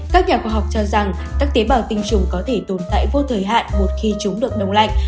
các nhà khoa học cho rằng các tế bào tinh trùng có thể tồn tại vô thời hạn một khi chúng được đông lạnh